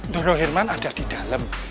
nurul herman ada di dalam